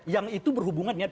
yang itu berhubungannya